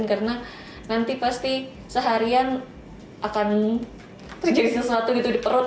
karena nanti pasti seharian akan terjadi sesuatu gitu di perut